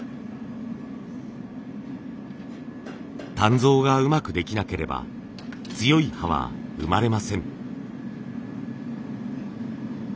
鍛造がうまくできなければ強い刃は生まれません。